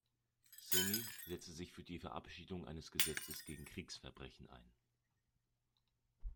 Seni setzte sich für die Verabschiedung eines Gesetzes gegen Kriegsverbrechen ein.